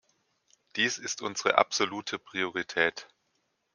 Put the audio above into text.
Dies ist unsere absolute Priorität.